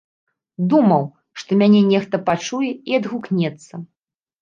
Думаў, што мяне нехта пачуе і адгукнецца.